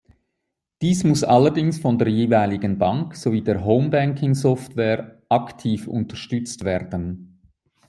Diese muss allerdings von der jeweiligen Bank sowie der Homebanking-Software aktiv unterstützt werden.